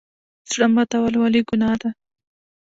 زړه ماتول ولې ګناه ده؟